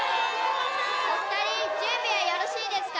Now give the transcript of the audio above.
お二人準備はよろしいですか？